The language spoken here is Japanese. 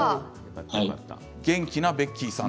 元気なベッキーさん。